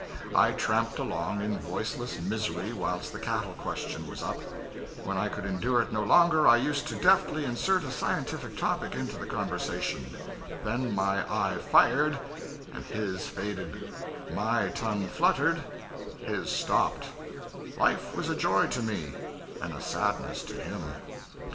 I tramped along in voiceless misery whilst the cattle question was up; when I could endure it no longer, I used to deftly insert a scientific topic into the conversation; then my eye fired and his faded; my tongue fluttered, his stopped; life was a joy to me, and a sadness to him.